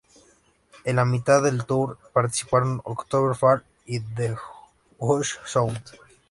En la mitad del tour participaron October Fall y The Hush Sound.